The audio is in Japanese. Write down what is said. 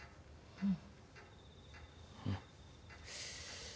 うん。